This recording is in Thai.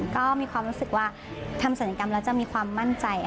ก็มีความรู้สึกว่าทำศัลยกรรมแล้วจะมีความมั่นใจ